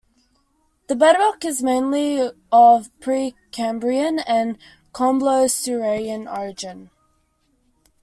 The bedrock is mainly of Precambrian and Cambro-Silurian origin.